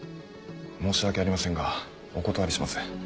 申し訳ありませんがお断りします。